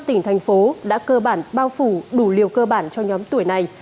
bốn mươi năm tỉnh thành phố đã cơ bản bao phủ đủ liều cơ bản cho nhóm tuổi này